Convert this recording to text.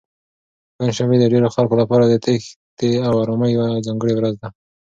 پنجشنبه د ډېرو خلکو لپاره د تېښتې او ارامۍ یوه ځانګړې ورځ ده.